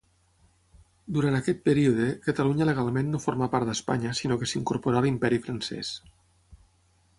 Durant aquest període Catalunya legalment no formà part d'Espanya sinó que s'incorporà a l'Imperi francès.